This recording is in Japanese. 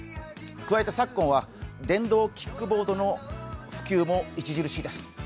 加えて昨今は電動キックボードの普及も著しいです。